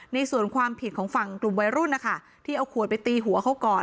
ในส่วนความผิดของฝั่งกลุ่มวัยรุ่นนะคะที่เอาขวดไปตีหัวเขาก่อน